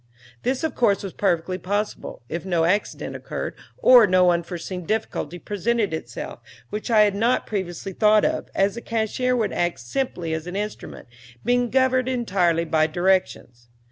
This of course was perfectly possible, if no accident occurred, or no unforeseen difficulty presented itself, which I had not previously thought of, as the cashier would act simply as an instrument, being governed entirely by my directions.